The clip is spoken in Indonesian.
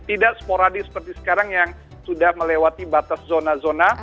tidak sporadis seperti sekarang yang sudah melewati batas zona zona